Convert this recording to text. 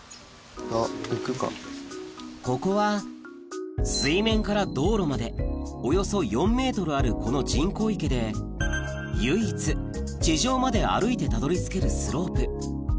ここは水面から道路までおよそ４ｍあるこの人工池で唯一地上まで歩いてたどり着けるスロープ